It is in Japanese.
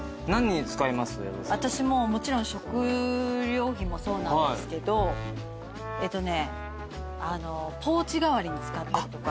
私もちろん食料品もそうなんですけどえっとね。